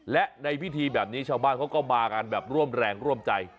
และในพิธีแบบนี้ชาวบ้านเขาก็มากันแบบร่วมแรงร่วมใจ